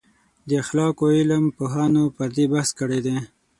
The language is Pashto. د اخلاقو علم پوهانو پر دې بحث کړی دی.